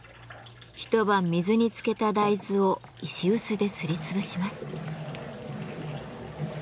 一晩水につけた大豆を石うすですり潰します。